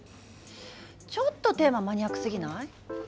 ちょっとテーママニアックすぎない？